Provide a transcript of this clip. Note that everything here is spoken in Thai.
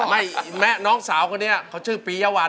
ไม่แม่น้องสาวก็เนี่ยเขาชื่อปียะวัน